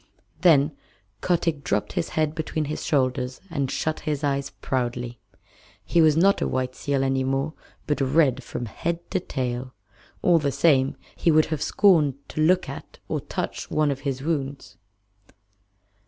Then Kotick dropped his head between his shoulders and shut his eyes proudly. He was not a white seal any more, but red from head to tail. All the same he would have scorned to look at or touch one of his wounds.